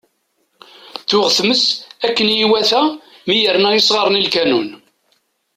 Tuɣ tmes akken i iwata mi yerna isɣaren i lkanun.